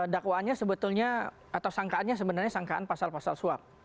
dakwaannya sebetulnya atau sangkaannya sebenarnya sangkaan pasal pasal suap